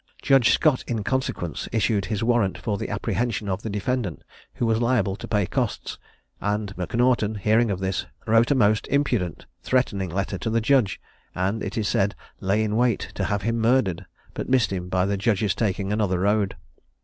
Judge Scott in consequence issued his warrant for the apprehension of the defendant, who was liable to pay costs; and M'Naughton, hearing of this, wrote a most impudent threatening letter to the judge, and, it is said, lay in wait to have him murdered, but missed him by the judge's taking another road.